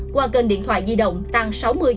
qua kênh điện thoại di động tăng